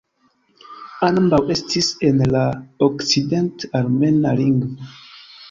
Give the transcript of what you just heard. Ambaŭ estis en la okcident-armena lingvo.